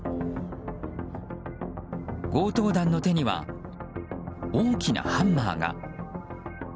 強盗団の手には大きなハンマーが。